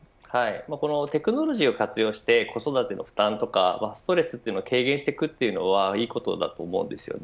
テクノロジーを活用して子育ての負担とかストレスを軽減していくというのはいいことだと思います。